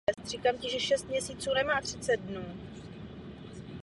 Jeho originál je uložen v Kodani.